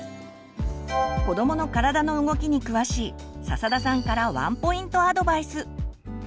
子どもの体の動きに詳しい笹田さんからワンポイントアドバイス。